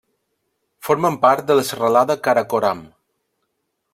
Formen part de la serralada Karakoram.